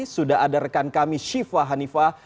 sudah ada rekan kami syifa hanifah